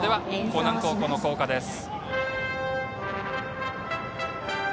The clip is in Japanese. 興南高校の校歌です。